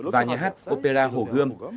và nhà hát opera hồ gươm